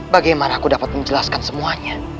bagaimana aku dapat menjelaskan semuanya